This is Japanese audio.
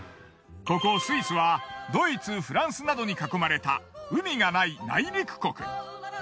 ここスイスはドイツフランスなどに囲まれた海がない内陸国。